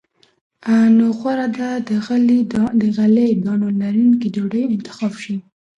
نو غوره ده د غلې- دانو لرونکې ډوډۍ انتخاب شي.